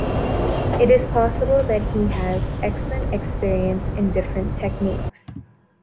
It is possible that he has excellent experience in different techniques...